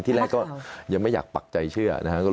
ที่แรกก็ยังไม่อยากปักใจเชื่อนะครับ